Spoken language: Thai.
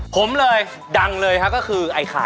ผมเลยดังเลยครับก็คือไอ้ไข่